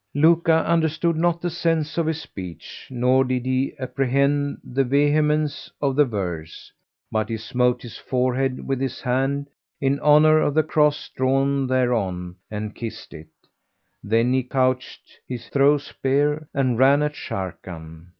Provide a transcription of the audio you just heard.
Luka understood not the sense of his speech nor did he apprehend the vehemence of the verse; but he smote his forehead with his hand, in honour of the Cross drawn thereon and kissed it; then he couched his throw spear and ran at Sharrkan.